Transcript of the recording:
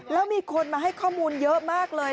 แล้วมีคนมาให้ข้อมูลเยอะมากเลย